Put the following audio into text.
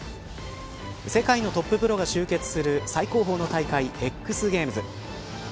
世界のトッププロが集結する最高峰の大会Ｘゲームズ。